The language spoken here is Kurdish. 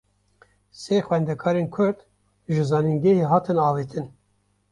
Sê xwendekarên Kurd, ji zanîngehê hatin avêtin